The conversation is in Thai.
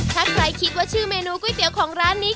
ถ้าใครคิดว่าชื่อเมนูก๋วยเตี๋ยวของร้านนี้